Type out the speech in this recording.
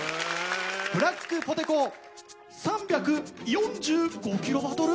ブラックポテ子３４５キロバトル。